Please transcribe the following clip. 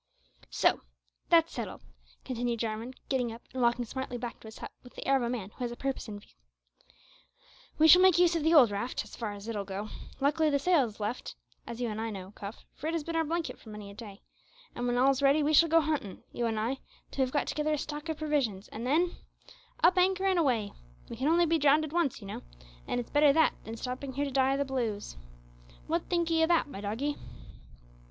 "So that's settled," continued Jarwin, getting up and walking smartly back to his hut with the air of a man who has a purpose in view. "We shall make use of the old raft, as far as it'll go. Luckily the sail is left, as you and I know, Cuff, for it has been our blanket for many a day, and when all's ready we shall go huntin', you and I, till we've got together a stock of provisions, and then up anchor and away! We can only be drownded once, you know, and it's better that than stopping here to die o' the blues. What think 'ee o' that, my doggie?"